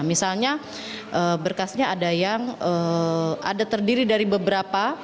misalnya berkasnya ada yang ada terdiri dari beberapa